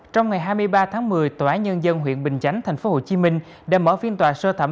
trong ngày hai mươi ba tháng một mươi tòa án nhân dân huyện bình chánh tp hcm đã mở phiên tòa sơ thẩm